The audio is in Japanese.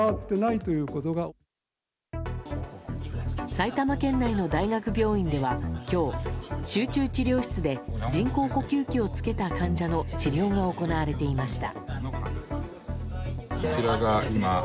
埼玉県内の大学病院では今日集中治療室で人工呼吸器を着けた患者の治療が行われていました。